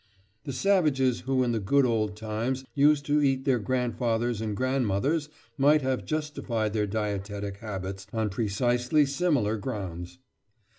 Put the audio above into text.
The savages who in the good old times used to eat their grandfathers and grandmothers might have justified their dietetic habits on precisely similar grounds.